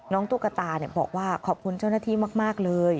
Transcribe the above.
ตุ๊กตาบอกว่าขอบคุณเจ้าหน้าที่มากเลย